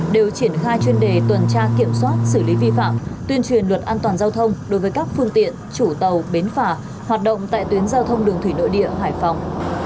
đều triển khai chuyên đề tuần tra kiểm soát xử lý vi phạm tuyên truyền luật an toàn giao thông đối với các phương tiện chủ tàu bến phà hoạt động tại tuyến giao thông đường thủy nội địa hải phòng